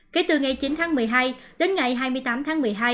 kể từ ngày chín tháng một mươi hai đến ngày hai mươi tám tháng một mươi hai